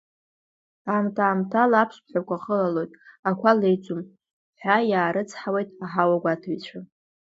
Аамҭа-аамҭала аԥсҭҳәақәа хылалоит, ақәа леиӡом, ҳәа иаарыцҳауеит аҳауагәаҭаҩцәа.